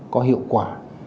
có hiệu quả